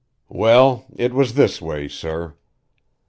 "Well, it was this way, sir.